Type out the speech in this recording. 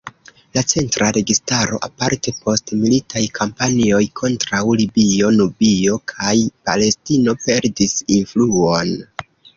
La centra registaro aparte post militaj kampanjoj kontraŭ Libio, Nubio kaj Palestino perdis influon.